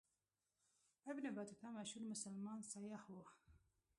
ابن بطوطه مشهور مسلمان سیاح و.